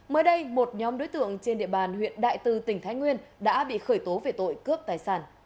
mới đây một nhóm đối tượng trên địa bàn huyện đại tư tỉnh thái nguyên đã bị khởi tố về tội